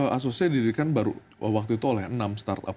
asosia didirikan baru waktu itu oleh enam startup